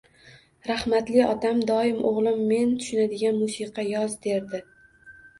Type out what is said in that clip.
Rahmatli otam doim “O’g’lim men tushunadigan musiqa yoz” derdi.